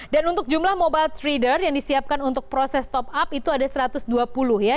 dan untuk jumlah mobile reader yang disiapkan untuk proses top up itu ada satu ratus dua puluh ya